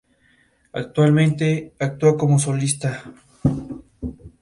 Prefiere colonizar cadáveres grandes.